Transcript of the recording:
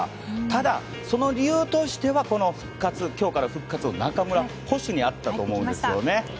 ただ、その理由としては今日から復活の中村捕手にあったと思うんですね。